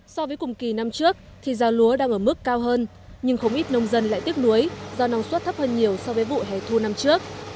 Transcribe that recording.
so với cùng kỳ năm trước thì giao lúa đang ở mức cao hơn nhưng không ít nông dân lại tiếc nuối do năng suất thấp hơn nhiều so với vụ hẻ thu năm trước